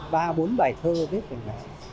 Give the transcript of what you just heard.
ba bốn bài thơ viết về mẹ